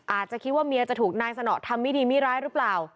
อาจจะคิดว่าเมียจะถูกนายสนอทำไม่ดีไม่ร้ายหรือเปล่า